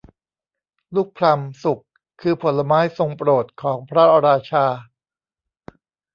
ลูกพลัมสุกคือผลไม้ทรงโปรดของพระราชา